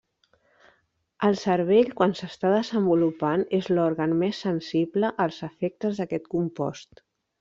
El cervell quan s'està desenvolupant és l'òrgan més sensible als efectes d'aquest compost.